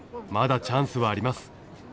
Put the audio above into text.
まだチャンスはあります。